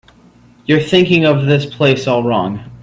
You're thinking of this place all wrong.